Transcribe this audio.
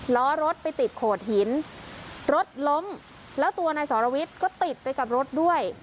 ล้อรถไปติดโขดหินรถล้มแล้วตัวนายสรวิทย์ก็ติดไปกับรถด้วย